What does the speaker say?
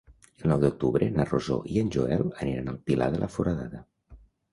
El nou d'octubre na Rosó i en Joel aniran al Pilar de la Foradada.